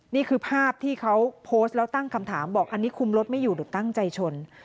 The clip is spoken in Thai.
นี่คือภาพที่เขาโพสต์แล้วตั้งคำถามบอกอันนี้คุมรถไม่อยู่หรือตั้งใจชน